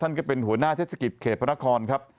ก็เป็นหัวหน้าเทศกิจเขตพระนครครับ